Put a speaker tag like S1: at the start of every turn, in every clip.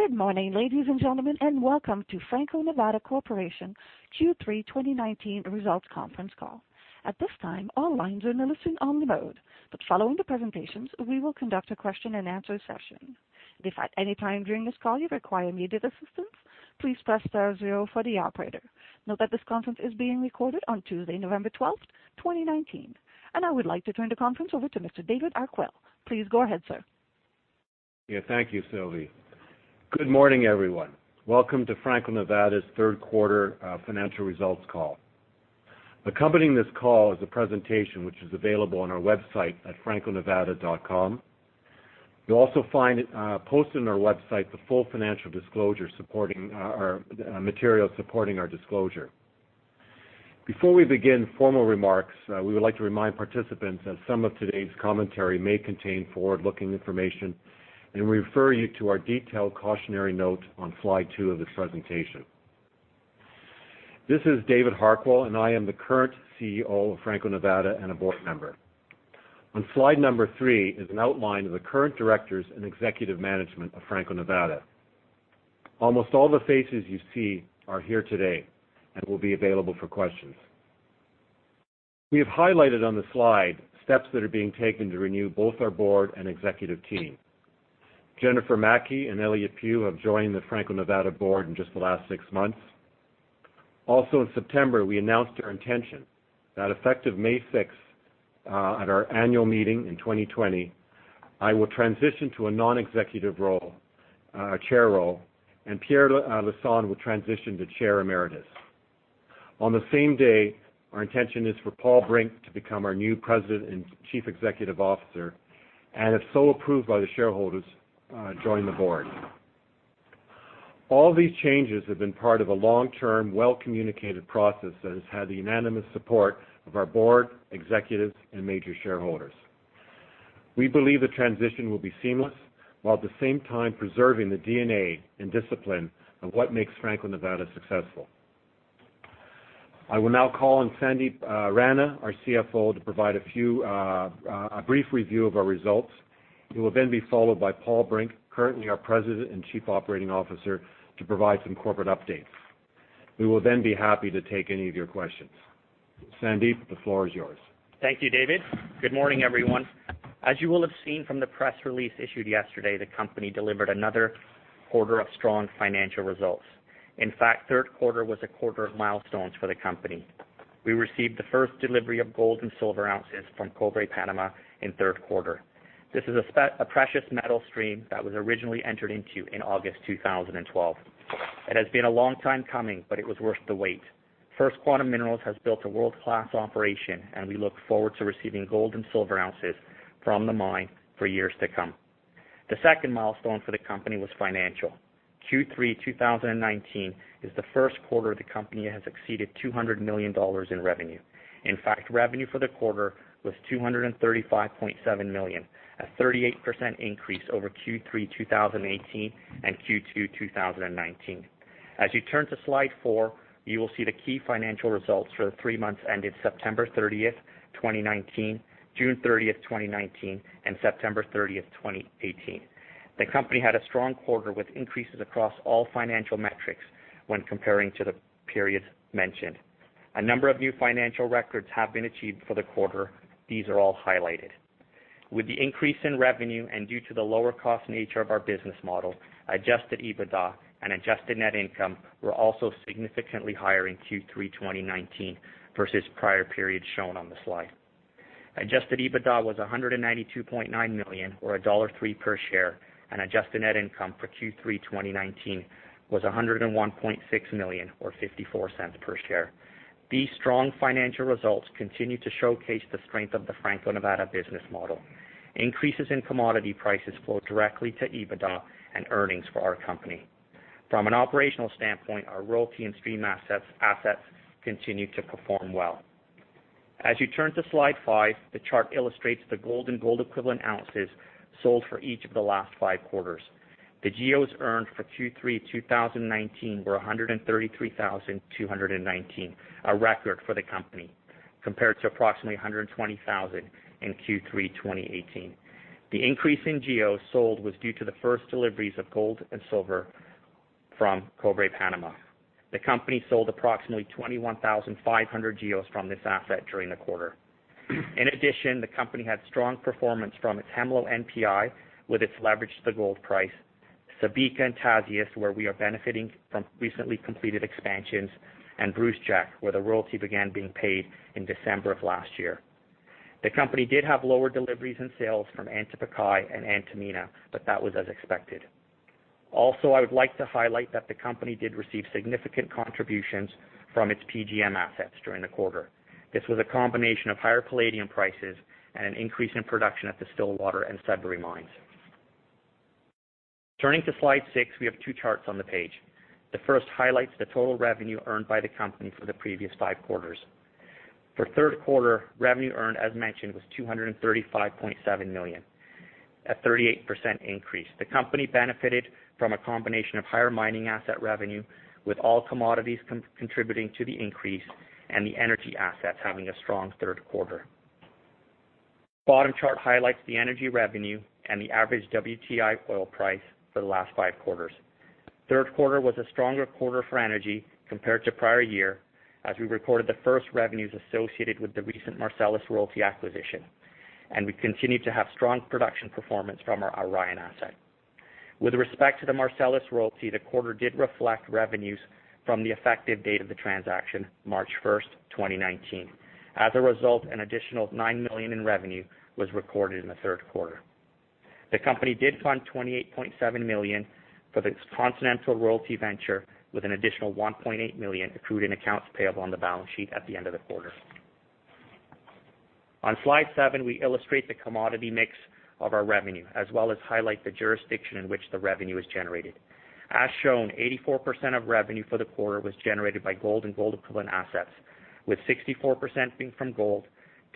S1: Good morning, ladies and gentlemen, and welcome to Franco-Nevada Corporation Q3 2019 Results Conference Call. At this time, all lines are in a listen-only mode, but following the presentations, we will conduct a question-and-answer session. If at any time during this call you require immediate assistance, please press star zero for the operator. Note that this conference is being recorded on Tuesday, November 12th, 2019, and I would like to turn the conference over to Mr. David Harquail. Please go ahead, sir.
S2: Yeah. Thank you, Sylvie. Good morning, everyone. Welcome to Franco-Nevada's third quarter financial results call. Accompanying this call is a presentation which is available on our website at franconevada.com. You will also find posted on our website the full financial disclosure supporting our material, supporting our disclosure. Before we begin formal remarks, we would like to remind participants that some of today's commentary may contain forward-looking information and we refer you to our detailed cautionary note on slide two of this presentation. This is David Harquail and I am the current CEO of Franco-Nevada and a board member. On slide number three is an outline of the current directors and executive management of Franco-Nevada. Almost all the faces you see are here today and will be available for questions. We have highlighted on the slide steps that are being taken to renew both our board and executive team. Jennifer Maki and Elliott Pew have joined the Franco-Nevada board in just the last six months. Also in September, we announced our intention that effective May 6th, at our annual meeting in 2020, I will transition to a non-executive role, a chair role, and Pierre Lassonde will transition to chair emeritus. On the same day, our intention is for Paul Brink to become our new president and chief executive officer, and if so approved by the shareholders, join the board. All these changes have been part of a long-term, well-communicated process that has had the unanimous support of our board, executives and major shareholders. We believe the transition will be seamless, while at the same time preserving the DNA and discipline of what makes Franco-Nevada successful. I will now call on Sandip Rana, our CFO, to provide a brief review of our results. He will then be followed by Paul Brink, currently our President and Chief Operating Officer, to provide some corporate updates. We will then be happy to take any of your questions. Sandip, the floor is yours.
S3: Thank you, David. Good morning, everyone. As you will have seen from the press release issued yesterday, the company delivered another quarter of strong financial results. In fact, third quarter was a quarter of milestones for the company. We received the first delivery of gold and silver ounces from Cobre Panama in the third quarter. This is a precious metal stream that was originally entered into in August 2012. It has been a long time coming, but it was worth the wait. First Quantum Minerals has built a world-class operation and we look forward to receiving gold and silver ounces from the mine for years to come. The second milestone for the company was financial. Q3 2019 is the first quarter the company has exceeded $200 million in revenue. In fact, revenue for the quarter was $235.7 million, a 38% increase over Q3 2018 and Q2 2019. As you turn to slide four, you will see the key financial results for the three months ended September 30th, 2019, June 30th, 2019, and September 30th, 2018. The company had a strong quarter with increases across all financial metrics when comparing to the periods mentioned. A number of new financial records have been achieved for the quarter. These are all highlighted. With the increase in revenue and due to the lower cost nature of our business model. Adjusted EBITDA and adjusted net income were also significantly higher in Q3 2019 versus prior periods shown on the slide. Adjusted EBITDA was $192.9 million or $1.03 per share and adjusted net income for Q3 2019 was $101.6 million, or $0.54 per share. These strong financial results continue to showcase the strength of the Franco-Nevada business model. Increases in commodity prices flow directly to EBITDA and earnings for our company. From an operational standpoint, our royalty and stream assets continue to perform well. As you turn to slide five, the chart illustrates the gold and gold equivalent ounces sold for each of the last five quarters. The GEOs earned for Q3 2019 were 133,219, a record for the company, compared to approximately 120,000 in Q3 2018. The increase in GEOs sold was due to the first deliveries of gold and silver from Cobre Panama. The company sold approximately 21,500 GEOs from this asset during the quarter. In addition, the company had strong performance from its Hemlo NPI, where it's leveraged the gold price, Subika and Tasiast, where we are benefiting from recently completed expansions, and Brucejack, where the royalty began being paid in December of last year. The company did have lower deliveries and sales from Antapaccay and Antamina, but that was as expected. Also, I would like to highlight that the company did receive significant contributions from its PGM assets during the quarter. This was a combination of higher palladium prices and an increase in production at the Stillwater and Sudbury mines. Turning to slide six, we have two charts on the page. The first highlights the total revenue earned by the company for the previous five quarters. For the third quarter, revenue earned as mentioned, was $235.7 million, a 38% increase. The company benefited from a combination of higher mining asset revenue, with all commodities contributing to the increase, and the energy assets having a strong third quarter. Bottom chart highlights the energy revenue and the average WTI oil price for the last five quarters. Third quarter was a stronger quarter for energy compared to prior year, as we recorded the first revenues associated with the recent Marcellus royalty acquisition, and we continued to have strong production performance from our Orion asset. With respect to the Marcellus royalty, the quarter did reflect revenues from the effective date of the transaction, March 1st, 2019. As a result, an additional $9 million in revenue was recorded in the third quarter. The company did fund $28.7 million for the Continental Royalty venture, with an additional $1.8 million accrued in accounts payable on the balance sheet at the end of the quarter. On slide seven, we illustrate the commodity mix of our revenue, as well as highlight the jurisdiction in which the revenue is generated. As shown, 84% of revenue for the quarter was generated by gold and gold-equivalent assets, with 64% being from gold,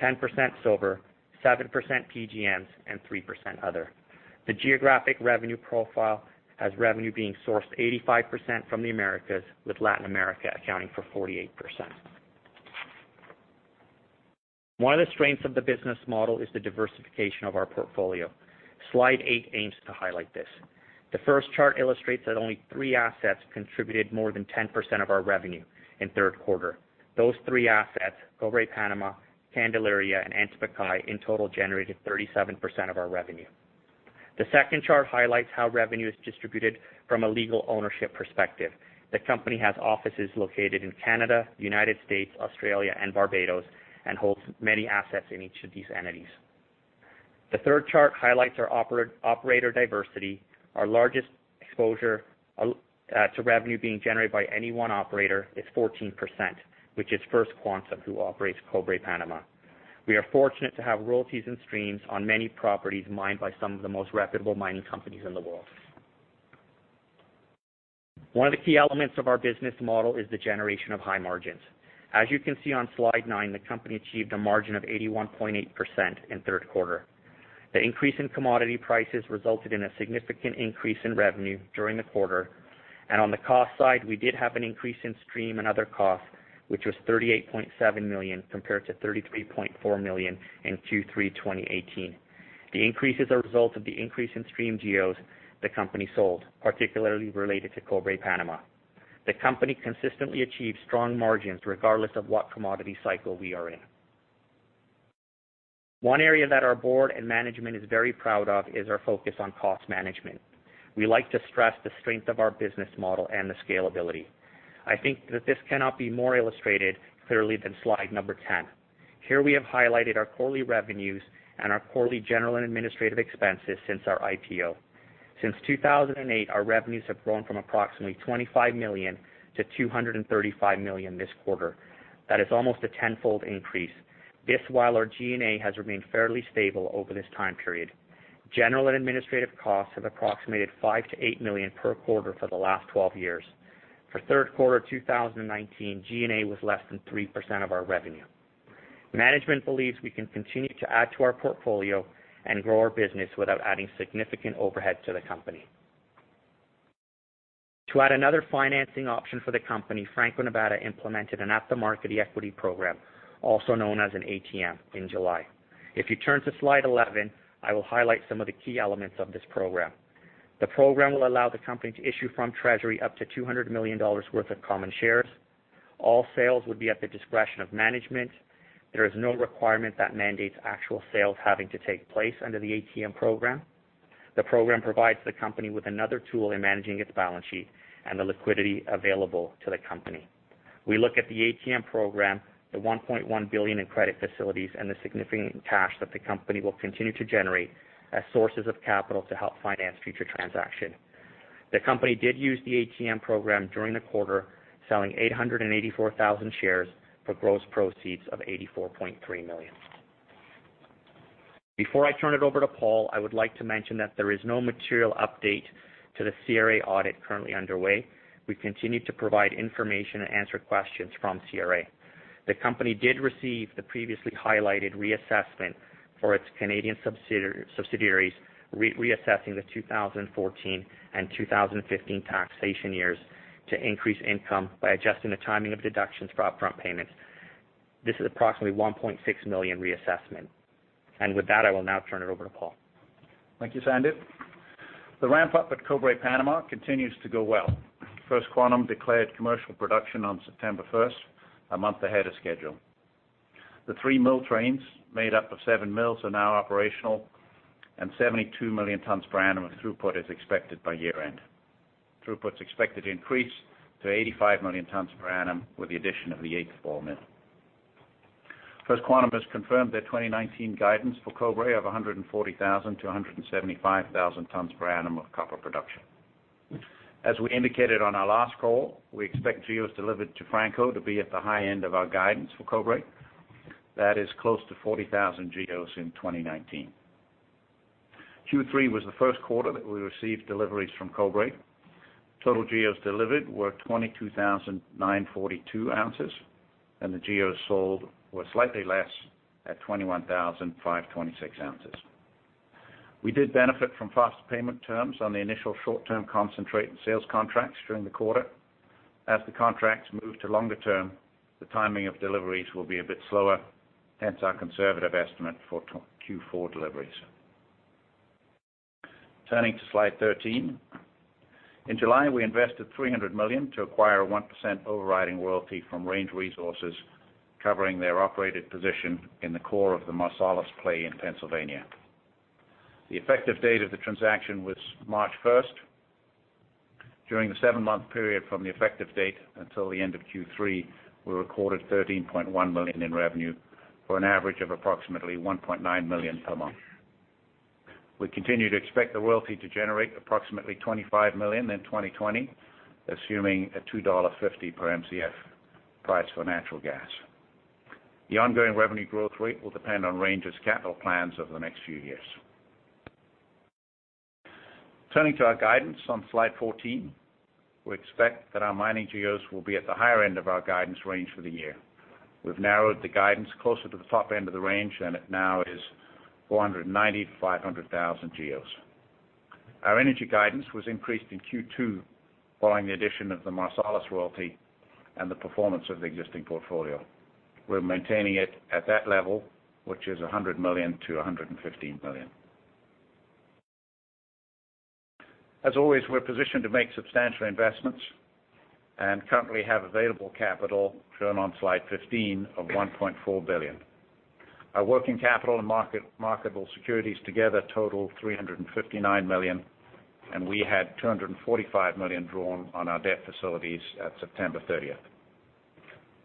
S3: 10% silver, 7% PGMs, and 3% other. The geographic revenue profile has revenue being sourced 85% from the Americas, with Latin America accounting for 48%. One of the strengths of the business model is the diversification of our portfolio. Slide eight aims to highlight this. The first chart illustrates that only three assets contributed more than 10% of our revenue in the third quarter. Those three assets, Cobre Panama, Candelaria, and Antamina, in total generated 37% of our revenue. The second chart highlights how revenue is distributed from a legal ownership perspective. The company has offices located in Canada, the United States, Australia, and Barbados and holds many assets in each of these entities. The third chart highlights our operator diversity. Our largest exposure to revenue being generated by any one operator is 14%, which is First Quantum, who operates Cobre Panama. We are fortunate to have royalties and streams on many properties mined by some of the most reputable mining companies in the world. One of the key elements of our business model is the generation of high margins. As you can see on slide nine, the company achieved a margin of 81.8% in the third quarter. The increase in commodity prices resulted in a significant increase in revenue during the quarter. On the cost side, we did have an increase in stream and other costs, which was $38.7 million compared to $33.4 million in Q3 2018. The increase is a result of the increase in stream GEOs the company sold, particularly related to Cobre Panama. The company consistently achieves strong margins regardless of what commodity cycle we are in. One area that our board and management is very proud of is our focus on cost management. We like to stress the strength of our business model and the scalability. I think that this cannot be more illustrated clearly than slide number 10. Here we have highlighted our quarterly revenues and our quarterly General and administrative expenses since our IPO. Since 2008, our revenues have grown from approximately $25 million to $235 million this quarter. That is almost a tenfold increase. This while our G&A has remained fairly stable over this time period. General and administrative costs have approximated $5 million-$8 million per quarter for the last 12 years. For the third quarter 2019, G&A was less than 3% of our revenue. Management believes we can continue to add to our portfolio and grow our business without adding significant overhead to the company. To add another financing option for the company, Franco-Nevada implemented an at-the-market equity program, also known as an ATM, in July. If you turn to slide 11, I will highlight some of the key elements of this program. The program will allow the company to issue from treasury up to $200 million worth of common shares. All sales would be at the discretion of management. There is no requirement that mandates actual sales having to take place under the ATM program. The program provides the company with another tool in managing its balance sheet and the liquidity available to the company. We look at the ATM program, the $1.1 billion in credit facilities, and the significant cash that the company will continue to generate as sources of capital to help finance future transactions. The company did use the ATM program during the quarter, selling 884,000 shares for gross proceeds of $84.3 million. Before I turn it over to Paul, I would like to mention that there is no material update to the CRA audit currently underway. We continue to provide information and answer questions from CRA. The company did receive the previously highlighted reassessment for its Canadian subsidiaries, reassessing the 2014 and 2015 taxation years to increase income by adjusting the timing of deductions for upfront payments. This is approximately $1.6 million reassessment. With that, I will now turn it over to Paul.
S4: Thank you, Sandip. The ramp-up at Cobre Panama continues to go well. First Quantum declared commercial production on September 1st, a month ahead of schedule. The three mill trains made up of seven mills are now operational, and 72 million tons per annum of throughput is expected by year-end. Throughput is expected to increase to 85 million tons per annum with the addition of the eighth ball mill. First Quantum has confirmed their 2019 guidance for Cobre of 140,000-175,000 tons per annum of copper production. As we indicated on our last call, we expect GEOs delivered to Franco to be at the high end of our guidance for Cobre. That is close to 40,000 GEOs in 2019. Q3 was the first quarter that we received deliveries from Cobre. Total GEOs delivered were 22,942 ounces. The GEOs sold were slightly less at 21,526 ounces. We did benefit from faster payment terms on the initial short-term concentrate and sales contracts during the quarter. As the contracts move to longer term, the timing of deliveries will be a bit slower, hence our conservative estimate for Q4 deliveries. Turning to slide 13. In July, we invested $300 million to acquire a 1% overriding royalty from Range Resources, covering their operated position in the core of the Marcellus play in Pennsylvania. The effective date of the transaction was March 1st. During the seven-month period from the effective date until the end of Q3, we recorded $13.1 million in revenue for an average of approximately $1.9 million per month. We continue to expect the royalty to generate approximately $25 million in 2020, assuming a $2.50 per Mcf price for natural gas. The ongoing revenue growth rate will depend on Range's capital plans over the next few years. Turning to our guidance on slide 14. We expect that our mining GEOs will be at the higher end of our guidance range for the year. We've narrowed the guidance closer to the top end of the range, and it now is 490,000-500,000 GEOs. Our energy guidance was increased in Q2 following the addition of the Marcellus royalty and the performance of the existing portfolio. We're maintaining it at that level, which is $100 million-$115 million. As always, we're positioned to make substantial investments and currently have available capital, shown on slide 15, of $1.4 billion. Our working capital and marketable securities together total $359 million, and we had $245 million drawn on our debt facilities at September 30th.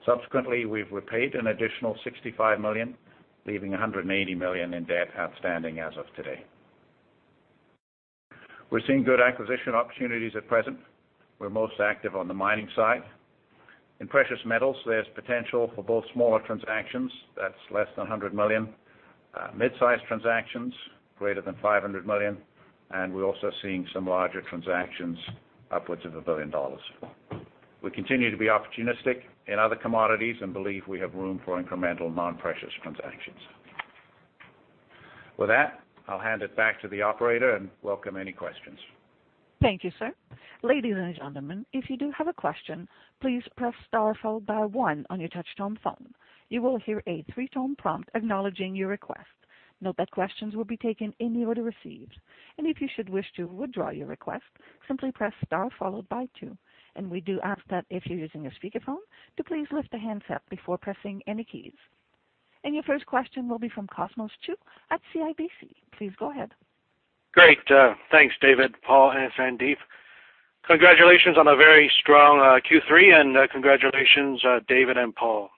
S4: Subsequently, we've repaid an additional $65 million, leaving $180 million in debt outstanding as of today. We're seeing good acquisition opportunities at present. We're most active on the mining side. In precious metals, there's potential for both smaller transactions that's less than $100 million, mid-size transactions greater than $500 million, and we're also seeing some larger transactions upwards of $1 billion. We continue to be opportunistic in other commodities and believe we have room for incremental non-precious transactions. With that, I'll hand it back to the operator and welcome any questions.
S1: Thank you, sir. Ladies and gentlemen, if you do have a question, please press star followed by one on your touch-tone phone. You will hear a three-tone prompt acknowledging your request. Note that questions will be taken in the order received. If you should wish to withdraw your request, simply press star followed by two. We do ask that if you're using a speakerphone to please lift the handset before pressing any keys. Your first question will be from Cosmos Chiu at CIBC. Please go ahead.
S5: Great. Thanks, David, Paul, and Sandip. Congratulations on a very strong Q3. Congratulations, David and Paul.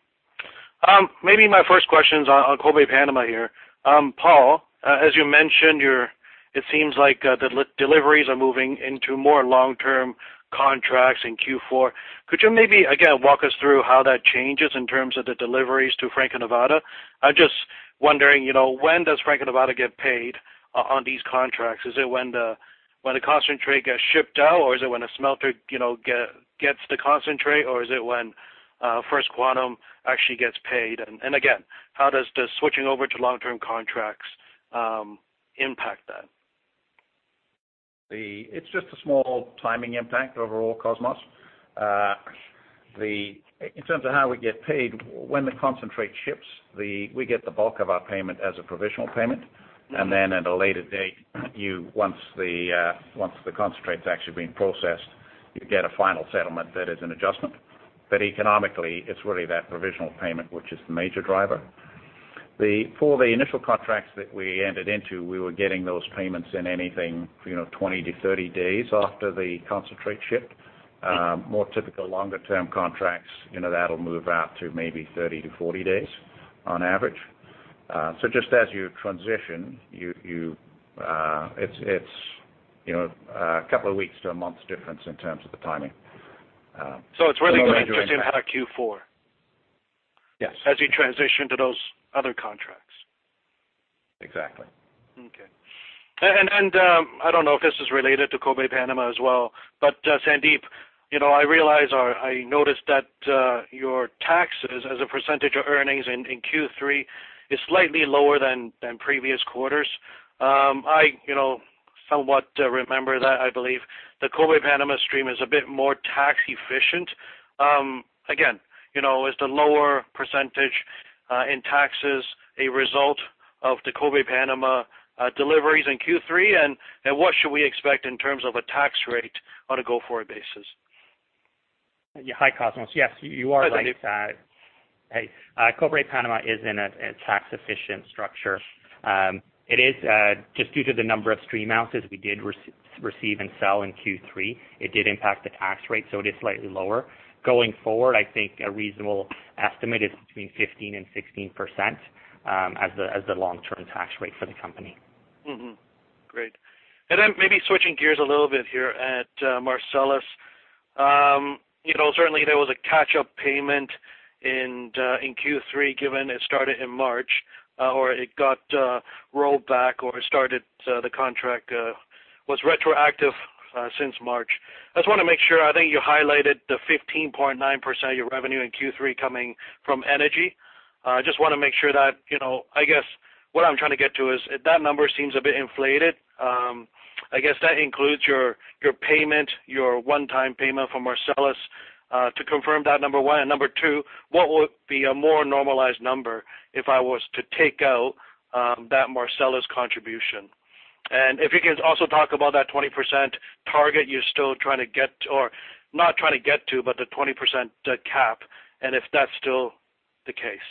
S5: Maybe my first question's on Cobre Panama here. Paul, as you mentioned, it seems like the deliveries are moving into more long-term contracts in Q4. Could you maybe, again, walk us through how that changes in terms of the deliveries to Franco-Nevada? I'm just wondering, when does Franco-Nevada get paid on these contracts? Is it when the concentrate gets shipped out, or is it when a smelter gets the concentrate, or is it when First Quantum actually gets paid? Again, how does the switching over to long-term contracts impact that?
S4: It's just a small timing impact overall, Cosmos. In terms of how we get paid, when the concentrate ships, we get the bulk of our payment as a provisional payment. Then at a later date, once the concentrate's actually been processed, you get a final settlement that is an adjustment. Economically, it's really that provisional payment, which is the major driver. For the initial contracts that we entered into, we were getting those payments in anything 20-30 days after the concentrate shipped. More typical longer-term contracts, that'll move out to maybe 30-40 days on average. Just as you transition, it's a couple of weeks to a month's difference in terms of the timing.
S5: It's really just in Q4.
S4: Yes
S5: As you transition to those other contracts.
S4: Exactly.
S5: Okay. I don't know if this is related to Cobre Panama as well, but Sandip, I noticed that your taxes as a percentage of earnings in Q3 is slightly lower than previous quarters. I somewhat remember that I believe the Cobre Panama stream is a bit more tax efficient. Again, is the lower percentage in taxes a result of the Cobre Panama deliveries in Q3? What should we expect in terms of a tax rate on a go-forward basis?
S3: Hi, Cosmos. Yes, you are right.
S5: Hi, Sandip.
S3: Hey. Cobre Panama is in a tax-efficient structure. It is just due to the number of stream ounces we did receive and sell in Q3. It did impact the tax rate, it is slightly lower. Going forward, I think a reasonable estimate is between 15% and 16% as the long-term tax rate for the company.
S5: Great. Maybe switching gears a little bit here at Marcellus. Certainly, there was a catch-up payment in Q3, given it started in March, or it got rolled back or started the contract was retroactive since March. I just want to make sure, I think you highlighted the 15.9% of your revenue in Q3 coming from energy. I guess what I'm trying to get to is, that number seems a bit inflated. I guess that includes your payment, your one-time payment from Marcellus, to confirm that, number one. Number two, what would be a more normalized number if I was to take out that Marcellus contribution? If you could also talk about that 20% target you're still trying to get, or not trying to get to, but the 20% cap, if that's still the case.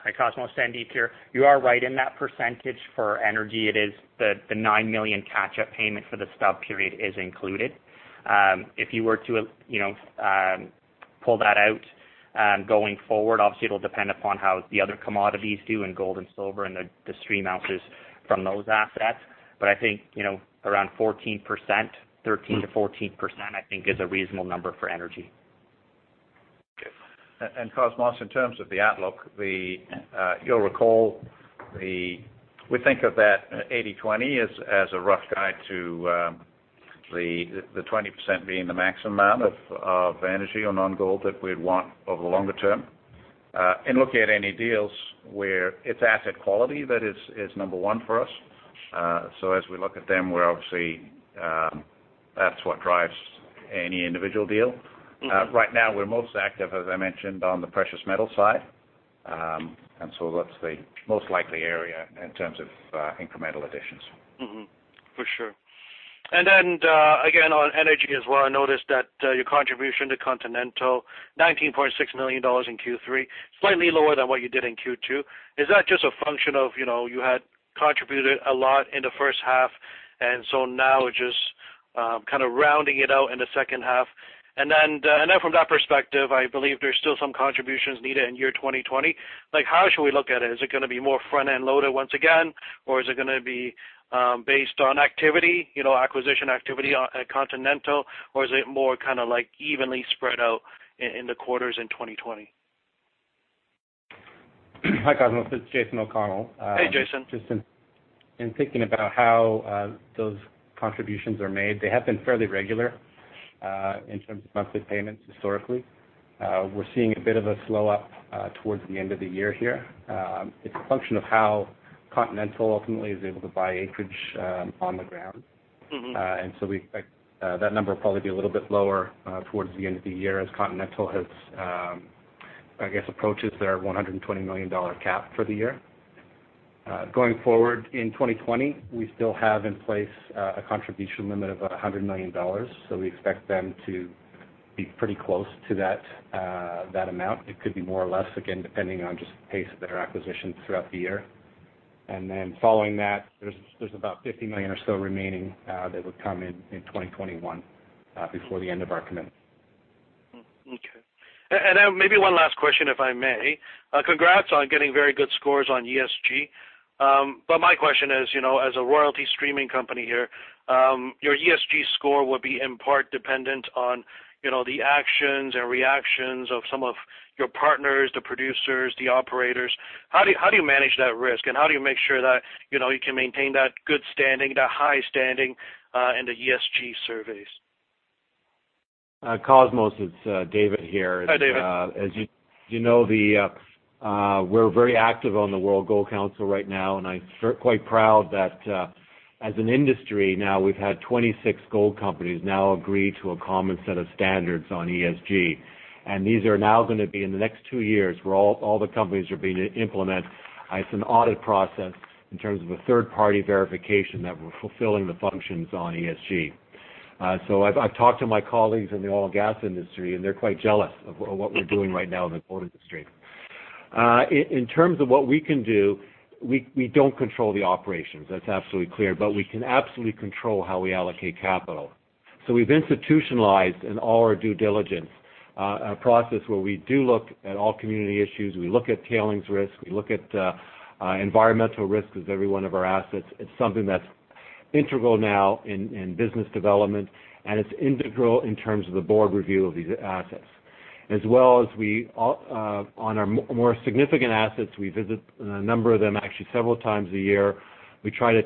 S3: Hi, Cosmos, Sandip here. You are right in that percentage for energy. It is the $9 million catch-up payment for the stub period is included. If you were to pull that out, going forward, obviously it'll depend upon how the other commodities do in gold and silver and the stream ounces from those assets. I think, around 14%, 13%-14% I think is a reasonable number for energy.
S5: Okay.
S2: Cosmos, in terms of the outlook, you'll recall, we think of that 80/20 as a rough guide to the 20% being the maximum amount of energy or non-gold that we'd want over the longer term. Look at any deals where it's asset quality that is number one for us. As we look at them, obviously, that's what drives any individual deal. Right now, we're most active, as I mentioned, on the precious metal side. That's the most likely area in terms of incremental additions.
S5: For sure. Again, on energy as well, I noticed that your contribution to Continental, $19.6 million in Q3, slightly lower than what you did in Q2. Is that just a function of, you had contributed a lot in the first half now just kind of rounding it out in the second half? From that perspective, I believe there's still some contributions needed in year 2020. How should we look at it? Is it going to be more front-end loaded once again, or is it going to be based on activity, acquisition activity at Continental, or is it more evenly spread out in the quarters in 2020?
S6: Hi, Cosmos, it's Jason O'Connell.
S5: Hey, Jason.
S6: Just in thinking about how those contributions are made, they have been fairly regular in terms of monthly payments historically. We're seeing a bit of a slow up towards the end of the year here. It's a function of how Continental ultimately is able to buy acreage on the ground. We expect that number will probably be a little bit lower towards the end of the year as Continental approaches their $120 million cap for the year. Going forward in 2020, we still have in place a contribution limit of $100 million. We expect them to be pretty close to that amount. It could be more or less, again, depending on just the pace of their acquisitions throughout the year. Following that, there's about $50 million or so remaining that would come in 2021, before the end of our commitment.
S5: Okay. Maybe one last question, if I may. Congrats on getting very good scores on ESG. My question is, as a royalty streaming company here, your ESG score would be in part dependent on the actions and reactions of some of your partners, the producers, the operators. How do you manage that risk, and how do you make sure that you can maintain that good standing, that high standing, in the ESG surveys?
S2: Cosmos, it's David here.
S5: Hi, David.
S2: As you know, we're very active on the World Gold Council right now, and I'm quite proud that as an industry now, we've had 26 gold companies now agree to a common set of standards on ESG. These are now going to be in the next two years, where all the companies are being implemented. It's an audit process in terms of a third party verification that we're fulfilling the functions on ESG. I've talked to my colleagues in the oil and gas industry, and they're quite jealous of what we're doing right now in the gold industry. In terms of what we can do, we don't control the operations, that's absolutely clear, but we can absolutely control how we allocate capital. We've institutionalized in all our due diligence a process where we do look at all community issues. We look at tailings risk. We look at environmental risk with every one of our assets. It's something that's integral now in business development, and it's integral in terms of the board review of these assets. As well as on our more significant assets, we visit a number of them, actually several times a year. We try to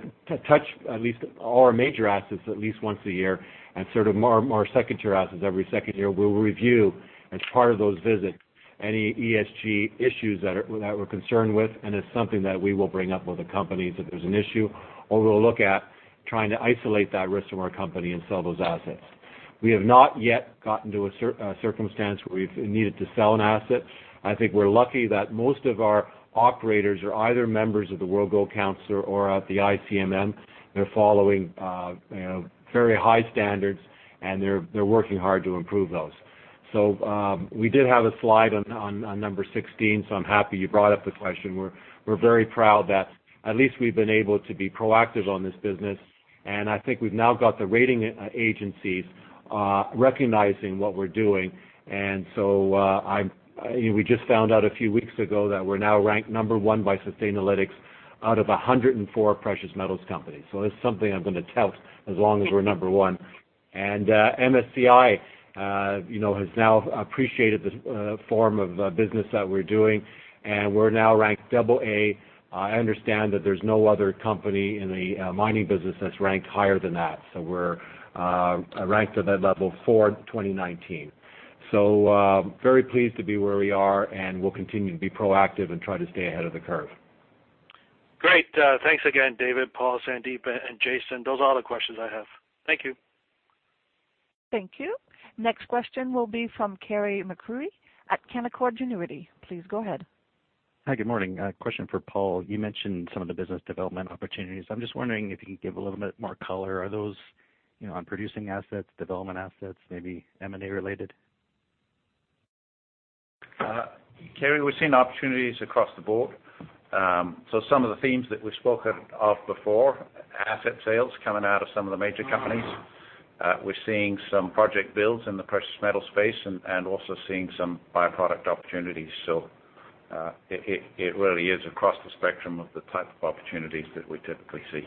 S2: touch at least all our major assets at least once a year, and sort of our secondary assets every second year. We'll review as part of those visits any ESG issues that we're concerned with, and it's something that we will bring up with the companies if there's an issue, or we'll look at trying to isolate that risk from our company and sell those assets. We have not yet gotten to a circumstance where we've needed to sell an asset. I think we're lucky that most of our operators are either members of the World Gold Council or of the ICMM. They're following very high standards, and they're working hard to improve those. We did have a slide on number 16, so I'm happy you brought up the question. We're very proud that at least we've been able to be proactive on this business, and I think we've now got the rating agencies recognizing what we're doing. We just found out a few weeks ago that we're now ranked number one by Sustainalytics out of 104 precious metals companies. That's something I'm going to tout as long as we're number one. MSCI has now appreciated this form of business that we're doing, and we're now ranked AA. I understand that there's no other company in the mining business that's ranked higher than that, so we're ranked at that level for 2019. Very pleased to be where we are, and we'll continue to be proactive and try to stay ahead of the curve.
S5: Great. Thanks again, David, Paul, Sandip, and Jason. Those are all the questions I have. Thank you.
S1: Thank you. Next question will be from Carey MacRury at Canaccord Genuity. Please go ahead.
S7: Hi, good morning. A question for Paul. You mentioned some of the business development opportunities. I'm just wondering if you could give a little bit more color. Are those on producing assets, development assets, maybe M&A related?
S4: Carey, we're seeing opportunities across the board. Some of the themes that we've spoken of before, asset sales coming out of some of the major companies. We're seeing some project builds in the precious metal space and also seeing some by-product opportunities. It really is across the spectrum of the type of opportunities that we typically see.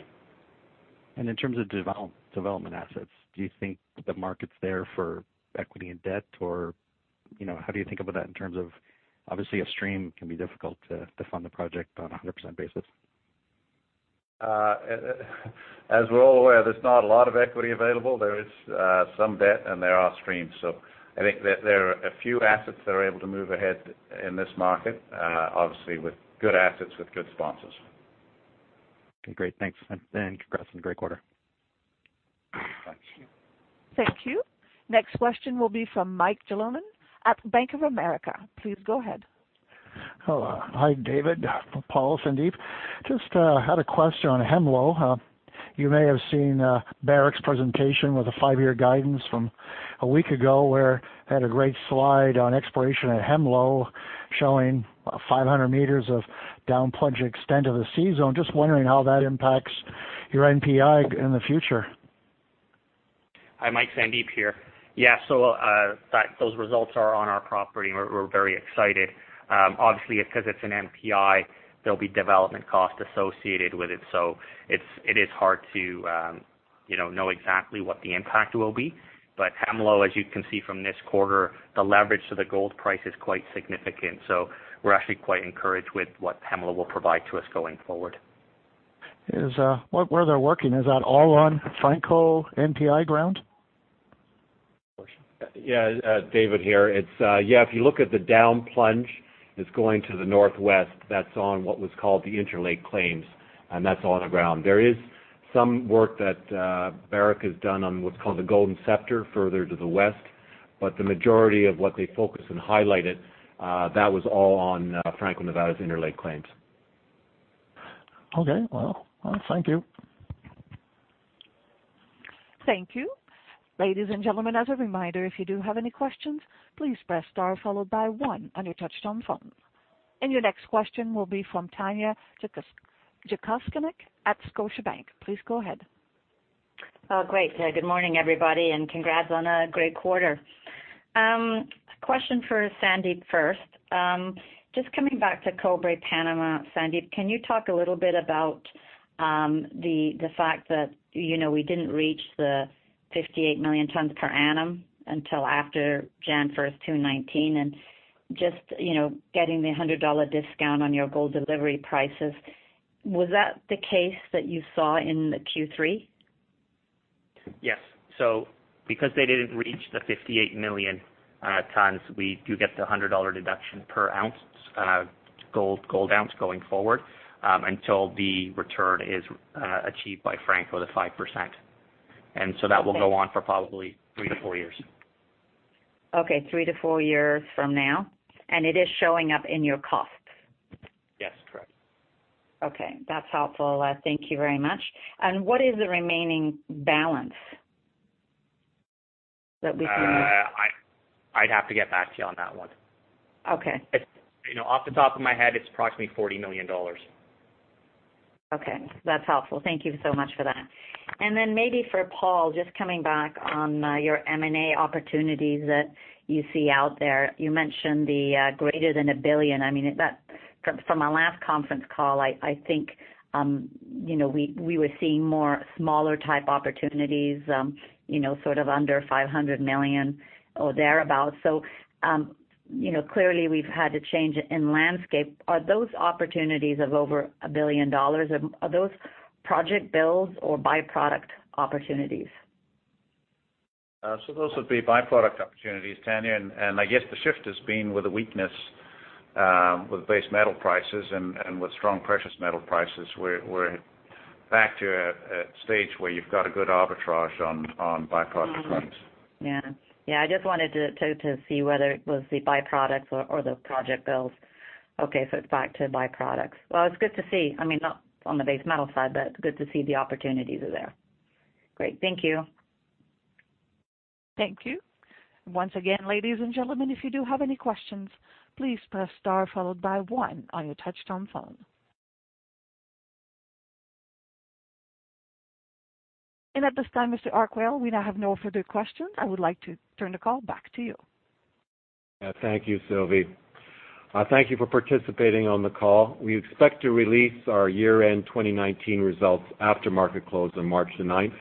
S7: In terms of development assets, do you think the market's there for equity and debt, or how do you think about that in terms of, obviously, a stream can be difficult to fund the project on a 100% basis?
S4: As we're all aware, there's not a lot of equity available. There is some debt, and there are streams. I think there are a few assets that are able to move ahead in this market, obviously with good assets, with good sponsors.
S7: Okay, great. Thanks. Congrats on a great quarter.
S4: Thank you.
S1: Thank you. Next question will be from Mike Jalonen at Bank of America. Please go ahead.
S8: Hello. Hi, David, Paul, Sandip. Just had a question on Hemlo. You may have seen Barrick's presentation with a five-year guidance from a week ago, where they had a great slide on exploration at Hemlo, showing 500 meters of down-plunge extent of the C zone. Just wondering how that impacts your NPI in the future.
S3: Hi, Mike, Sandip here. Yeah, those results are on our property, and we're very excited. Obviously, because it's an NPI, there'll be development cost associated with it is hard to know exactly what the impact will be. Hemlo, as you can see from this quarter, the leverage to the gold price is quite significant. We're actually quite encouraged with what Hemlo will provide to us going forward.
S8: Where they're working, is that all on Franco NPI ground?
S2: Yeah, David here. If you look at the down plunge that's going to the northwest, that's on what was called the Interlake claims, and that's on the ground. There is some work that Barrick has done on what's called the Golden Scepter further to the west, but the majority of what they focused and highlighted, that was all on Franco-Nevada's Interlake claims.
S8: Okay. Well, thank you.
S1: Thank you. Ladies and gentlemen, as a reminder, if you do have any questions, please press star followed by one on your touch-tone phone. Your next question will be from Tanya Jakusconek at Scotiabank. Please go ahead.
S9: Oh, great. Good morning, everybody, and congrats on a great quarter. Question for Sandip first. Just coming back to Cobre Panama, Sandip, can you talk a little bit about the fact that we didn't reach the 58 million tons per annum until after January 1, 2019, and just getting the $100 discount on your gold delivery prices. Was that the case that you saw in the Q3?
S3: Yes. Because they didn't reach the 58 million tons, we do get the $100 deduction per gold ounce going forward until the return is achieved by Franco, the 5%. That will go on for probably three to four years.
S9: Okay, three to four years from now? It is showing up in your costs?
S3: Yes, correct.
S9: Okay. That's helpful. Thank you very much. What is the remaining balance that we can use?
S3: I'd have to get back to you on that one.
S9: Okay.
S3: Off the top of my head, it's approximately $40 million.
S9: Okay. That's helpful. Thank you so much for that. Maybe for Paul, just coming back on your M&A opportunities that you see out there. You mentioned the greater than $1 billion. I mean, from our last conference call, I think we were seeing more smaller type opportunities, sort of under $500 million or thereabout. Clearly, we've had a change in landscape. Are those opportunities of over a billion, are those project builds or by-product opportunities?
S4: Those would be by-product opportunities, Tanya, and I guess the shift has been with a weakness with base metal prices and with strong precious metal prices, we're back to a stage where you've got a good arbitrage on by-product prices.
S9: Yeah. I just wanted to see whether it was the by-products or the project builds. Okay, it's back to by-products. Well, it's good to see. I mean, not on the base metal side, but good to see the opportunities are there. Great. Thank you.
S1: Thank you. Once again, ladies and gentlemen, if you do have any questions, please press star followed by one on your touch-tone phone. At this time, Mr. Harquail, we now have no further questions. I would like to turn the call back to you.
S2: Thank you, Sylvie. Thank you for participating on the call. We expect to release our year-end 2019 results after market close on March the 9th,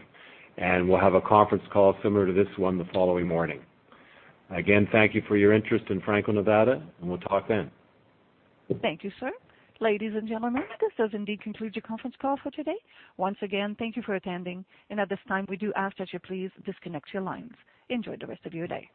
S2: and we'll have a conference call similar to this one the following morning. Again, thank you for your interest in Franco-Nevada, and we'll talk then.
S1: Thank you, sir. Ladies and gentlemen, this does indeed conclude your conference call for today. Once again, thank you for attending, and at this time, we do ask that you please disconnect your lines. Enjoy the rest of your day.